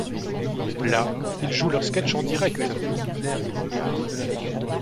Là ils jouent leurs sketchs en direct.